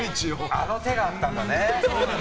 あの手があったんだね！